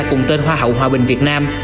cùng tên hoa hậu hòa bình việt nam